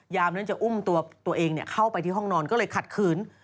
นั้นจะอุ้มตัวตัวเองเข้าไปที่ห้องนอนก็เลยขัดขืน